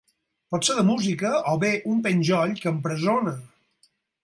Pot ser de música o bé un penjoll que empresona.